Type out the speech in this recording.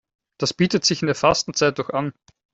Das bietet sich in der Fastenzeit doch an.